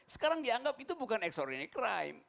sekarang dianggap itu bukan extraordinary crime